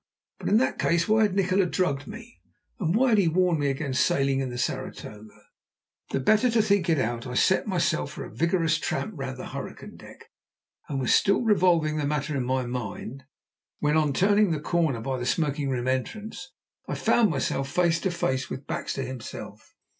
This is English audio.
But in that case why had Nikola drugged me? And why had he warned me against sailing in the Saratoga? The better to think it out I set myself for a vigorous tramp round the hurricane deck, and was still revolving the matter in my mind, when, on turning the corner by the smoking room entrance, I found myself face to face with Baxter himself.